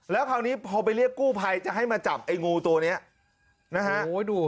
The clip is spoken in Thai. แล้วคราวนี้พอไปเรียกกู้ภัยจะให้มาจับไอ้งูตัวเนี้ยนะฮะโอ้ยดู